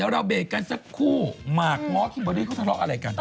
อ๋อแล่วเราเบรกกันสักครู่มากเหกะเบดี้เขาทะเลาะอะไรกัน